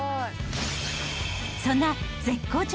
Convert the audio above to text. そんな絶好調